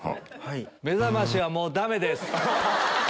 『めざまし』はもうダメです。